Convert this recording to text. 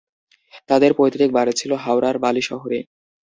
তাদের পৈতৃক বাড়ি ছিল হাওড়ার বালি শহরে।